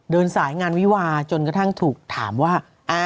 เดินสายงานวิวาจนกระทั่งถูกถามว่า